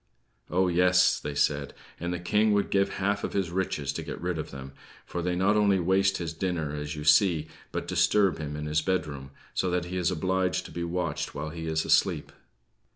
"Oh, yes!" they said, "and the King would give half of his riches to get rid of them; for they not only waste his dinner, as you see, but disturb him in his bedroom, so that he is obliged to be watched while he is asleep."